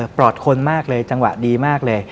รอดคนมากเลยจังหวะดีมากเลย